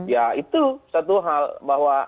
ya itu satu hal bahwa